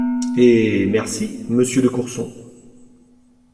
Et… Merci, monsieur de Courson.